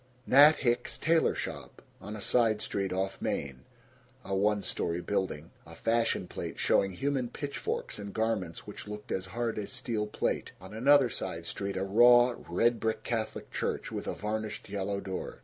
Nat Hicks's Tailor Shop, on a side street off Main. A one story building. A fashion plate showing human pitchforks in garments which looked as hard as steel plate. On another side street a raw red brick Catholic Church with a varnished yellow door.